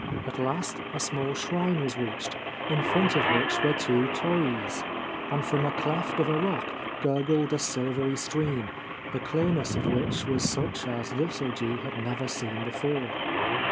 At last a small shrine was reached, in front of which were two Torii's, and from a cleft of a rock gurgled a silvery stream, the clearness of which was such as Yosoji had never seen before.